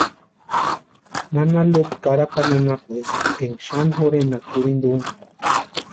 Nana Lupa Carapani anapuesti énka xani jorhenaka kurhinta úni.